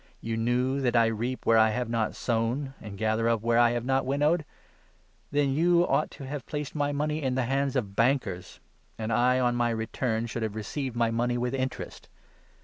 26 ' You knew that I reap where I have not sown, and gather up where I have not winnowed ? Then you ought to have 27 placed my money in the hands of bankers, and I, on my return, shbuld have received my money, with interest.